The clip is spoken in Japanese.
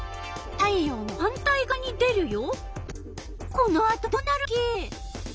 太陽の反対がわに出るよ。